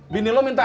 bini lu minta ac